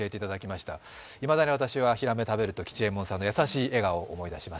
私はいまだに、ひらめを食べるとき吉右衛門さんの優しい笑顔を思い出します。